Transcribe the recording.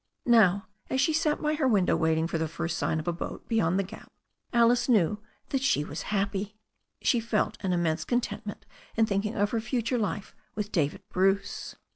Now, as she sat by her window waiting for the first sign of a boat beyond the gap, Alice knew that she was happy. She felt an immense contentment in thinking of her future life with David Bruce.